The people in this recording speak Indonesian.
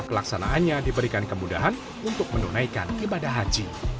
kelaksanaannya diberikan kemudahan untuk mendonaikan ibadah haji